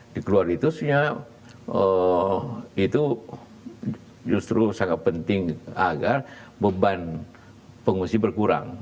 dikeluar itu sebenarnya itu justru sangat penting agar beban pengumusi berkurang